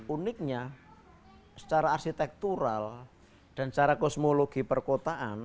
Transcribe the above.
uniknya secara arsitektural dan secara kosmologi perkotaan